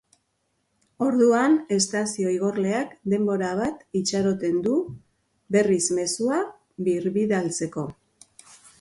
Orduan estazio igorleak denbora bat itxaroten du, berriz mezua birbidaltzeko.